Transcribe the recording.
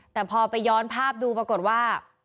แต่พอไปย้อนภาพดูปรากฏว่า